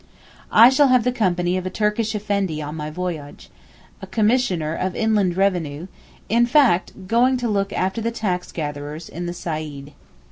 I shall have the company of a Turkish Effendi on my voyage—a Commissioner of Inland Revenue, in fact, going to look after the tax gatherers in the Saeed.